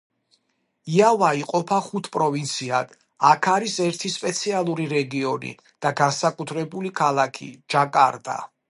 იავა იყოფა ხუთ პროვინციად, აქ არის ერთი სპეციალური რეგიონი და განსაკუთრებული ქალაქი ჯაკარტა.